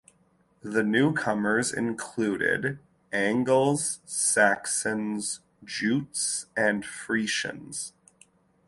The newcomers included Angles, Saxons, Jutes, and Frisians.